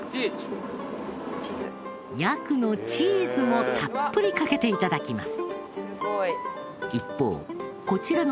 ヤクのチーズもたっぷりかけて頂きます。